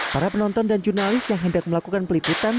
para penonton dan jurnalis yang hendak melakukan peliputan